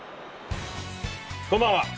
こんばんは。